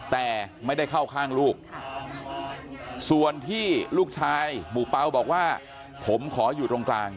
แต่ไม่ได้เข้าข้างลูกส่วนที่ลูกชายหมู่เปล่าบอกว่าผมขออยู่ตรงกลาง